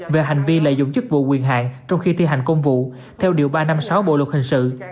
về hành vi lợi dụng chức vụ quyền hạn trong khi thi hành công vụ theo điều ba trăm năm mươi sáu bộ luật hình sự